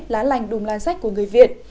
lá lành đùm là sách của người việt